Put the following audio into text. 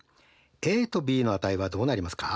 ａとｂの値はどうなりますか？